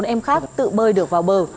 bốn em khác tự bơi được vào bờ